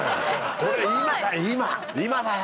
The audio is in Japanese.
これ今今だよ。